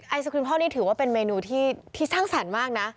ไอศครีมพ่อนี่ถือว่าเป็นเมนูที่สร้างสรรค์มากนะ